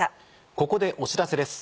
ここでお知らせです。